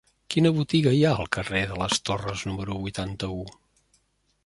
Quina botiga hi ha al carrer de les Torres número vuitanta-u?